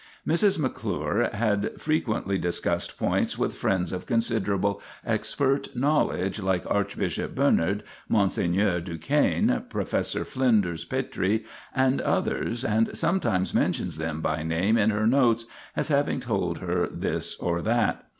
Mrs. McClure had frequently discussed points with friends of considerable expert knowledge like Arch bishop Bernard, Monseigneur Duchesne, Professor Flinders Petrie, and others, and sometimes mentions them by name in her notes as having told her this or that.